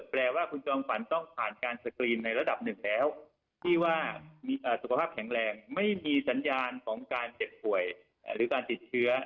แปลว่าคุณจอมขวัญต้องผ่านการสกรีนในระดับหนึ่งแล้วที่ว่ามีสุขภาพแข็งแรงไม่มีสัญญาณของการเจ็บป่วยหรือการติดเชื้อ